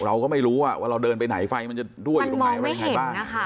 เราก็ไม่รู้อ่ะว่าเราเดินไปไหนไฟมันจะด้วยอยู่ตรงไหนมันมองไม่เห็นนะคะ